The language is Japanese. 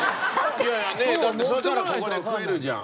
ねえだってそうしたらここで食えるじゃん。